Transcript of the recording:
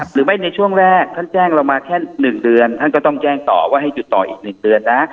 ในช่วงแรกท่านแจ้งเรามาแค่๑เดือนท่านก็ต้องแจ้งต่อว่าให้หยุดต่ออีก๑เดือนนะ